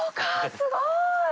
すごい！